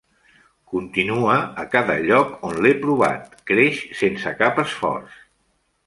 Continua a cada lloc on l'he provat, creix sense cap esforç.